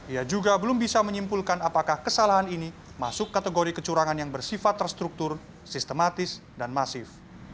ia juga belum bisa menyimpulkan apakah kesalahan ini masuk kategori kecurangan yang bersifat terstruktur sistematis dan masif